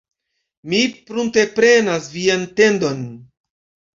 Mi prunteprenas vian tendon.